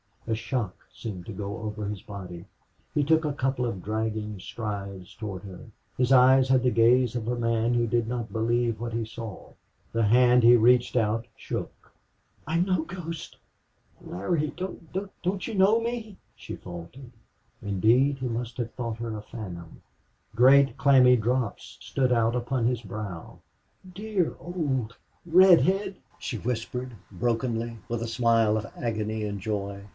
A shock seemed to go over his body. He took a couple of dragging strides toward her. His eyes had the gaze of a man who did not believe what he saw. The hand he reached out shook. "I'm no ghost! Larry, don't you know me?" she faltered. Indeed he must have thought her a phantom. Great, clammy drops stood out upon his brow. "Dear old redhead!" she whispered, brokenly, with a smile of agony and joy.